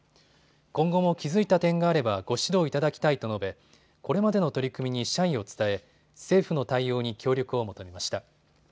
今後も気付いた点があればご指導いただきたいと述べこれまでの取り組みに謝意を伝え政府の対応に協力を求めました。